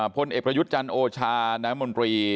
พลเอกประยุทธ์จันทร์โอชาน้ำมนตรี